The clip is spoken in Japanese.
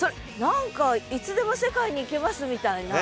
何か「いつでも世界に行きます」みたいな。